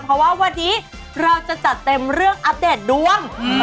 เพราะว่าวันนี้เราจะจัดเต็มเรื่องอัปเดตดวง